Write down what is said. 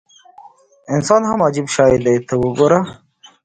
انسان هم عجیب شی دی ته وګوره.